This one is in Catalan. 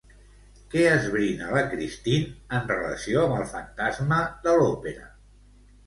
Què esbrina la Christine en relació amb el fantasma de l'òpera?